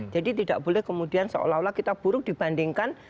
jadi tidak boleh kemudian seolah olah kita buruk dibandingkan